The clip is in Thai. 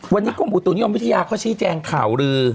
วันนี้กรมอุตุนิยมวิทยาเขาชี้แจงข่าวลือ